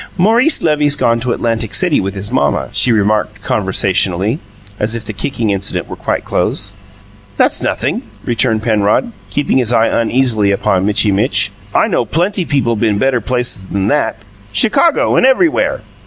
"Maurice Levy's gone to Atlantic City with his mamma," she remarked conversationally, as if the kicking incident were quite closed. "That's nothin'," returned Penrod, keeping his eye uneasily upon Mitchy Mitch. "I know plenty people been better places than that Chicago and everywhere."